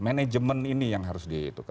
manajemen ini yang harus di